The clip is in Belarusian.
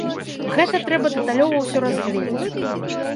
Гэта трэба дэталёва ўсё разгледзець.